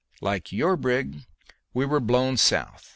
Like your brig, we were blown south.